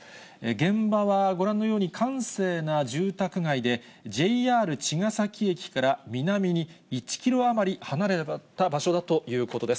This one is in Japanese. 現場はご覧のように閑静な住宅街で、ＪＲ茅ケ崎駅から南に１キロ余り離れた場所だということです。